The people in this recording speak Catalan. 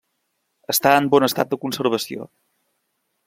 Està en bon estat de conservació.